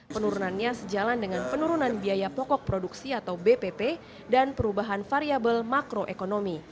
penurunannya sejalan dengan penurunan biaya pokok produksi atau bpp dan perubahan variable makroekonomi